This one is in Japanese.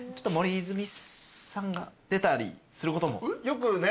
よくね。